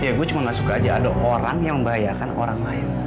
ya gue cuma gak suka aja ada orang yang membahayakan orang lain